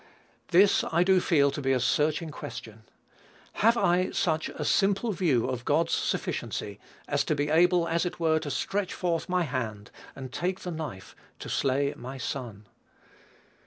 This I do feel to be a searching question. Have I such a simple view of God's sufficiency as to be able as it were to "stretch forth my hand and take the knife to slay my son."